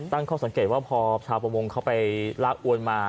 ตั้งข้อสังเกตว่าพอชาวประมงเขาไปลากอวนมา